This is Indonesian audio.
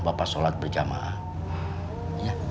bapak sholat berjamaah